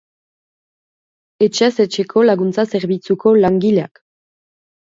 Etxez etxeko laguntza-zerbitzuko langileak.